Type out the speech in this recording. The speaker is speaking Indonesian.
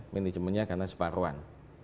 manajemennya karena separuan